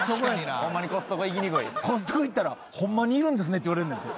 コストコ行ったらホンマにいるんですねって言われんねんて。